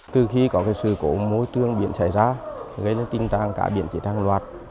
từ khi có cái sự cổ mối trường biển chảy ra gây ra tình trạng cả biển chỉ đang loạt